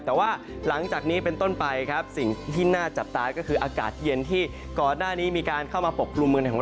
แต่ว่าหลังจากนี้เป็นต้นไปครับสิ่งที่น่าจับตาก็คืออากาศเย็นที่ก่อนหน้านี้มีการเข้ามาปกกลุ่มเมืองไทยของเรา